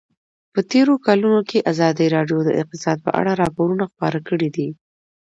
په تېرو کلونو کې ازادي راډیو د اقتصاد په اړه راپورونه خپاره کړي دي.